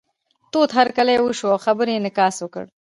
تود هرکلی یې وشو او خبرو یې انعکاس وکړ.